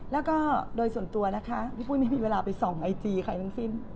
แล้วก็โดยส่วนตัวนะคะพี่ปุ้ยไม่มีเวลาไปส่องไอจีใครทั้งสิ้น